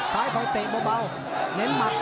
สายคอยเตะเบาเหน็นหมัก